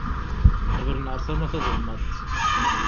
Bren ɣer tama taẓelmaṭ.